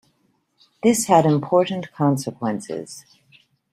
This had important consequences.